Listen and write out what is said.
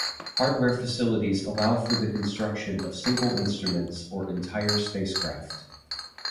Hardware facilities allow for the construction of single instruments or entire spacecraft.